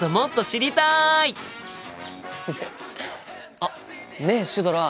あっねえシュドラ。